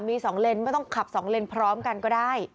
มีสองเลนส์ไม่ต้องขับสองเลนส์พร้อมกันก็ได้